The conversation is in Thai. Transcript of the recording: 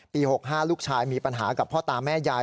๖๕ลูกชายมีปัญหากับพ่อตาแม่ยาย